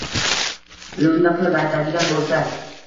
Lo‘nda qilib aytadigan bo‘lsak